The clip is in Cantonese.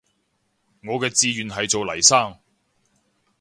我嘅志願係做黎生